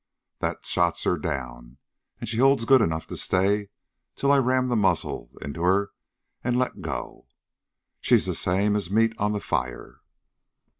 That sots her down, an' she holds good enough to stay in till I ram the muzzle inter ha'r an' let go. She's the same as meat on the fire."